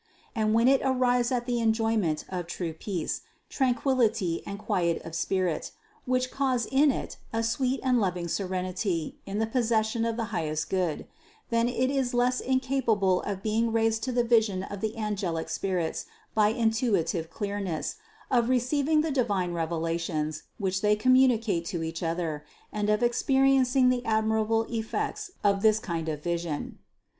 And when it arrives at the enjoyment of true peace, tranquillity and quiet of spirit, which cause in it a sweet and loving serenity in the possession of the highest Good, then it is less incapable of being raised to the vision of the angelic spirits by intuitive clearness, of receiving the divine revela tions, which they communicate to each other, and of ex periencing the admirable effects of this kind of vision.